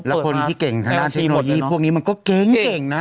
และคนที่เก่งธนาชีเทคโนโลยีพวกนี้มันก็เก่งเก่งนะ